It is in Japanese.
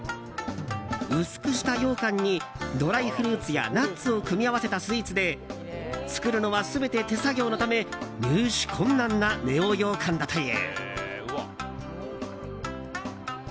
薄くしたようかんにドライフルーツやナッツを組み合わせたスイーツで作るのは全て手作業のため入手困難なネオようかんだという。